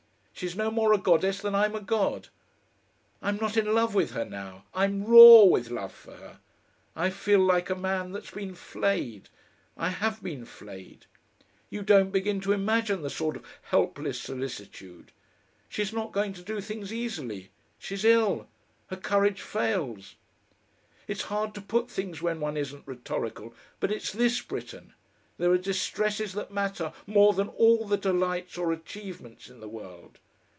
She's no more a goddess than I'm a god.... I'm not in love with her now; I'm RAW with love for her. I feel like a man that's been flayed. I have been flayed.... You don't begin to imagine the sort of helpless solicitude.... She's not going to do things easily; she's ill. Her courage fails.... It's hard to put things when one isn't rhetorical, but it's this, Britten there are distresses that matter more than all the delights or achievements in the world....